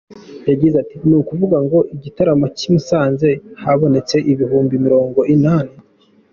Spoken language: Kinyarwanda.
Yagize ati “Ni ukuvuga ngo igitaramo cy’i Musanze habonetse ibihumbi mirongo inani.